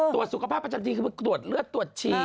ตรวจสุขภาพประจำทีคือตรวจเลือดตรวจฉี่